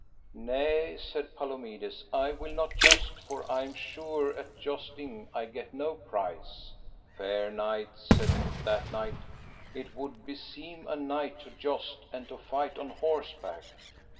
Nay, said Palomides, I will not joust, for I am sure at jousting I get no prize. Fair knight, said that knight, it would beseem a knight to joust and to fight on horseback.